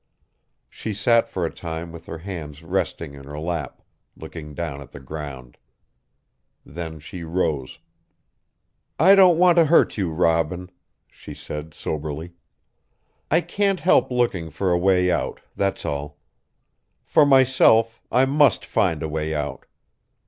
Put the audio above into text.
She sat for a time with her hands resting in her lap, looking down at the ground. Then she rose. "I don't want to hurt you, Robin," she said soberly. "I can't help looking for a way out, that's all. For myself, I must find a way out.